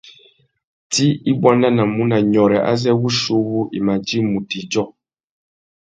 Tsi i buandanamú na nyôrê azê wuchiuwú i mà djï mutu idjô.